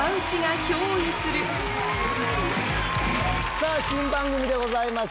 今夜新番組でございます。